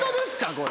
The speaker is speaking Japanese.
これ。